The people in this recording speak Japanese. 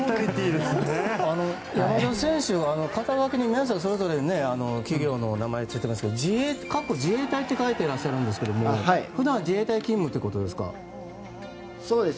山田選手は肩書に皆さん企業の名前がついてますけど自衛隊と書いていらっしゃるんですけど普段、自衛隊勤務ということですか？